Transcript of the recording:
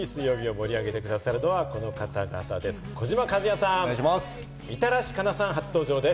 私達と一緒に水曜日を盛り上げて下さるのはこの方々です。